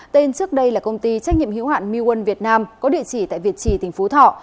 tên trước đây là công ty trách nhiệm hữu hạn miwan việt nam có địa chỉ tại việt trì tỉnh phú thọ